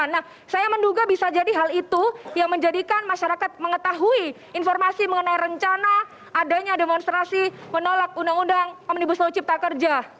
nah saya menduga bisa jadi hal itu yang menjadikan masyarakat mengetahui informasi mengenai rencana adanya demonstrasi menolak undang undang omnibus law cipta kerja